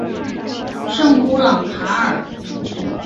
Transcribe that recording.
圣布朗卡尔。